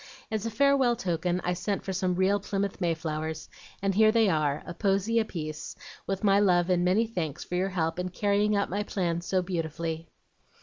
As a farewell token, I sent for some real Plymouth mayflowers, and here they are, a posy apiece, with my love and many thanks for your help in carrying out my plan so beautifully."